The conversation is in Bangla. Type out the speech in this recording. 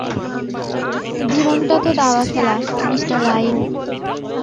জীবনটা তো দাবা খেলা, মিঃ রাইম।